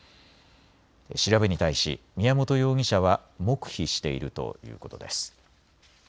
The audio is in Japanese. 調べに対し宮本容疑者は黙秘しているということです。